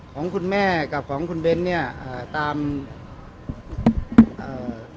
ของคุณแม่กับของขนบรรท์เนี่ยตามบัญชีที่พบเนี่ย